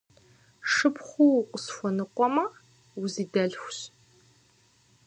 Шыпхъуу укъысхуэныкъуэмэ, узидэлъхущ.